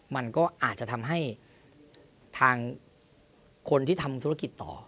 มันก็อาจจะทำให้ทางคนที่ทำธุรกิจต่อ